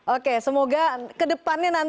oke semoga kedepannya